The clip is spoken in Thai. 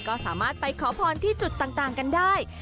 ก็สามารถไปขอพรที่จุดต่างกันได้